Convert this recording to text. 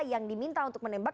yang diminta untuk menembak